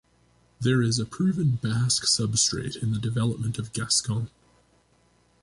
There is a proven Basque substrate in the development of Gascon.